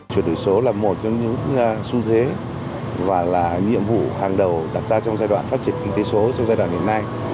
chuyển đổi số là một trong những xu thế và là nhiệm vụ hàng đầu đặt ra trong giai đoạn phát triển kinh tế số trong giai đoạn hiện nay